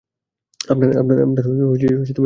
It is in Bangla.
আপনার সেই বন্ধুর বাড়িতে?